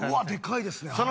でかいですね